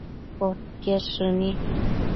podquied shëni